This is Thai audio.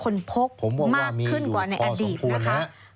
น่าจะมีคนพกมากขึ้นกว่าในอดีตนะคะ